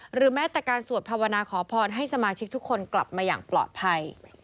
หรือแม้แต่การสวดภาวนาขอพรให้สมาชิกทุกคนกลับมาอย่างปลอดภัย